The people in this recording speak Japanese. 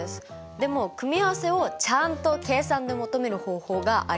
でも組合せをちゃんと計算で求める方法がありますよ。